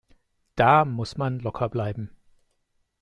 Da muss man locker bleiben.